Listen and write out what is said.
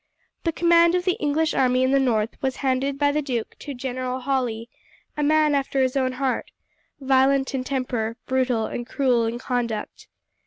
The command of the English army in the north was handed by the duke to General Hawley, a man after his own heart, violent in temper, brutal and cruel in conduct.